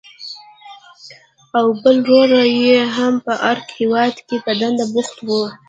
او بل ورور یې هم په عراق هېواد کې په دنده بوخت و.